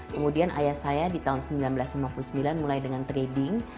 kemudian ayah saya di tahun seribu sembilan ratus lima puluh sembilan mulai dengan trading